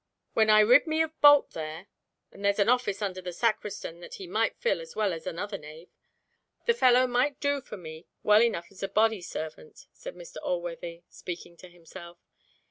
"When I rid me of Bolt there—and there's an office under the sacristan that he might fill as well as another knave—the fellow might do for me well enow as a body servant," said Mr. Alworthy, speaking to himself.